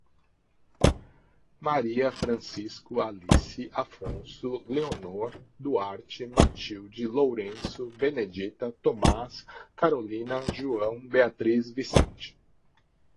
Maria, Francisco, Alice, Afonso, Leonor, Duarte, Matilde, Lourenço, Benedita, Tomás, Carolina, João, Beatriz, Vicente